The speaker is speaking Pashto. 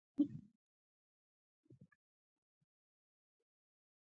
غریب د ژړا خوند پېژني